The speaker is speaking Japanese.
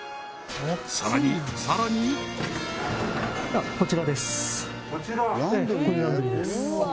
さらにさらにこちらですこちら？